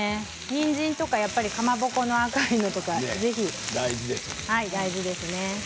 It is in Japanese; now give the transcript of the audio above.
にんじんとかかまぼこの赤いのとか大事ですね。